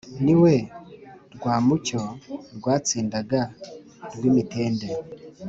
ni we rwamucyo rwatsindaga rwimitende